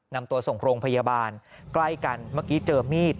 นำตัวส่งโรงพยาบาลใกล้กันเมื่อกี้เจอมีด